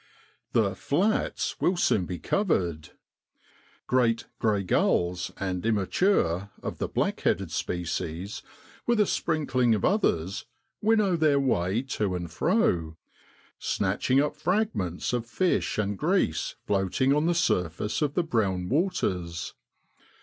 * The ' flats ' will soon be covered. Great ' grey ' gulls and immature, of the blackheaded species, with a sprinkling of others, winnow their way to and fro, snatching up fragments of fish and grease floating on the surface of the brown waters.